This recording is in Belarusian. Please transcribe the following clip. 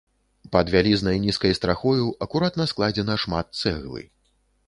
Пад вялізнай нізкай страхою акуратна складзена шмат цэглы.